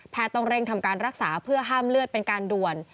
ต้องเร่งทำการรักษาเพื่อห้ามเลือดเป็นการด่วน